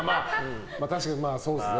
確かにそうですね。